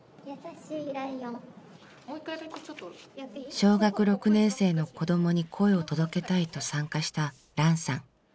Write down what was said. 小学６年生の子どもに声を届けたいと参加したランさん。